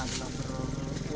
adalah berurusan dengan pantai